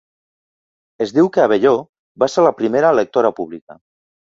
Es diu que Abelló va ser la seva primera lectora pública.